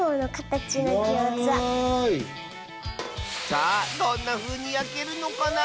さあどんなふうにやけるのかな？